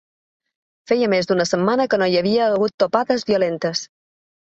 Feia més d’una setmana que no hi havia hagut topades violentes.